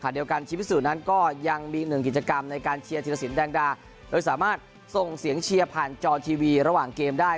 เดียวกันชิมพิสุนั้นก็ยังมีหนึ่งกิจกรรมในการเชียร์ธิรสินแดงดาโดยสามารถส่งเสียงเชียร์ผ่านจอทีวีระหว่างเกมได้